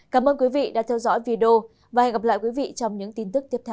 cảm ơn quý vị đã theo dõi video và hẹn gặp lại quý vị trong những tin tức tiếp theo